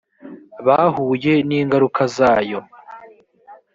bahuye n ingaruka zayo